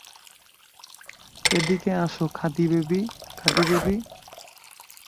এদিকে আসো খাদি বেবি, খাদি বেবি।